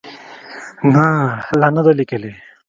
نه، لا نه ده لیکلې